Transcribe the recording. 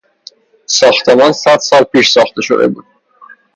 ساختمان صدسال پیش ساخته شده بود.